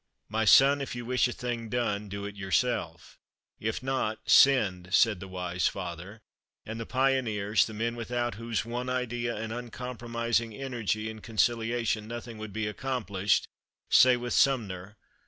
"My son, if you wish a thing done, do it yourself; if not, send," said the wise father; and the pioneers, the men without whose one idea and uncompromising energy and conciliation nothing would be accomplished, say with Sumner.